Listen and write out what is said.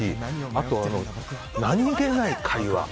あと、何気ない会話。